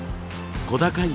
小高い